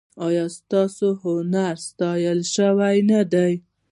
ایا ستاسو هنر ستایل شوی نه دی؟